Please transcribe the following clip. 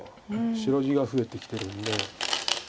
白地が増えてきてるんで。